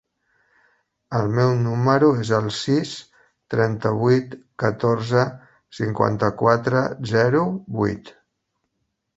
El meu número es el sis, trenta-vuit, catorze, cinquanta-quatre, zero, vuit.